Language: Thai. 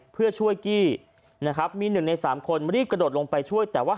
เพื่อช่วยกี้นะครับมีหนึ่งในสามคนรีบกระโดดลงไปช่วยแต่ว่า